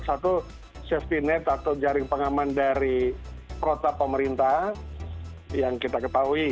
satu safety net atau jaring pengaman dari protap pemerintah yang kita ketahui